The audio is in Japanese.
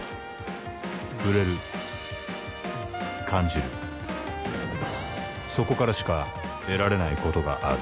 触れる感じるそこからしか得られないことがある